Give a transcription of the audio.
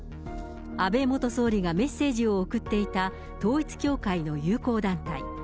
安倍元総理がメッセージを送っていた、統一教会の友好団体。